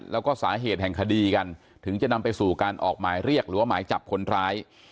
แล้วก็สาเหตุแห่งคดีกันถึงจะนำไปสู่การออกหมายเรียกหรือว่าหมายจับคนร้าย